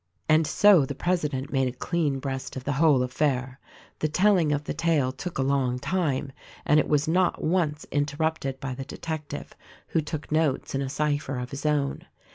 And so the president made a clean breast of the whole affair. The telling of the tale took a long time and it was not once interrupted by the detective, who took notes in a cypher of his own.